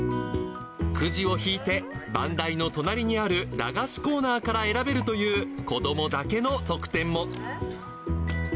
くじを引いて、番台の隣にある駄菓子コーナーから選べるという子どもだけの特典も。